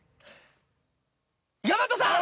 大和さん！